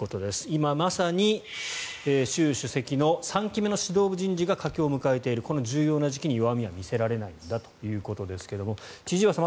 今まさに習主席の３期目の指導部人事が佳境を迎えているこの重要な時期に弱みは見せられないんだということですが千々岩さん